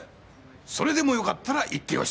それでもよかったら行ってよし。